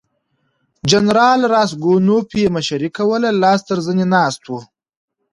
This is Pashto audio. جنرال راسګونوف یې مشري کوله لاس تر زنې ناست وو.